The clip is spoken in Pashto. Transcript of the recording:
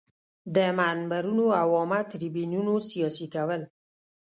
د منبرونو او عامه تریبیونونو سیاسي کول.